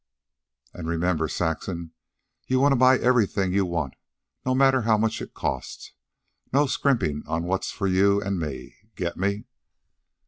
An' remember, Saxon, you wanta buy everything you want, no matter how much it costs. No scrimpin' on what's for you an' me. Get me?"